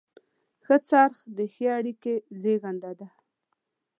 ښه خرڅ د ښې اړیکې زیږنده ده.